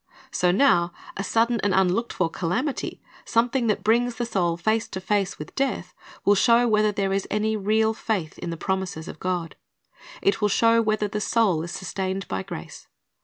So now, a sudden and unlooked for calamity, something that brings the soul face to face with death, will show whether there is any real faith in the promises of God. It will show whether the soul is sustained by grace.